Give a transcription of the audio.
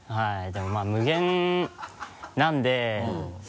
でもまぁ無限なんで。